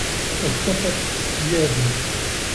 اختفت ثيابي.